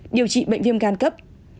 điều trị bệnh viêm can cấp